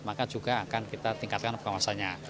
maka juga akan kita tingkatkan pengawasannya